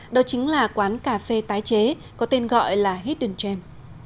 đó chính là quán cà phê tái chế có tên gọi là hidden gem